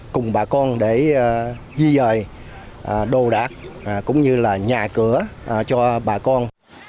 cùng bà con để di dời đồ đạc cũng như là nhà cửa cho bà con